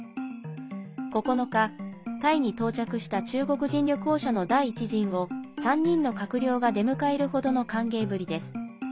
９日、タイに到着した中国人旅行者の第１陣を３人の閣僚が出迎える程の歓迎ぶりです。